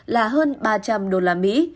là hơn ba trăm linh đô la mỹ